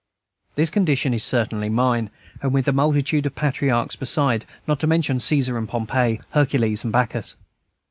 This condition is certainly mine, and with a multitude of patriarchs beside, not to mention Caesar and Pompey, Hercules and Bacchus.